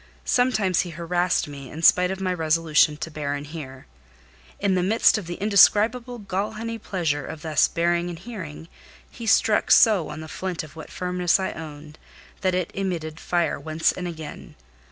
Sometimes he harassed me, in spite of my resolution to bear and hear; in the midst of the indescribable gall honey pleasure of thus bearing and hearing, he struck so on the flint of what firmness I owned, that it emitted fire once and again.